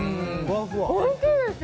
おいしいです！